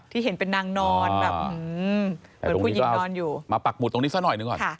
เห็นเป็นนางนอนแบบเหมือนผู้หญิงนอนอยู่มาปักหุดตรงนี้ซะหน่อยหนึ่งก่อน